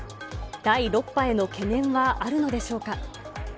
第６波への懸念はあるのでしょうか。